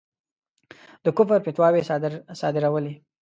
د کُفر فتواوې صادرولې.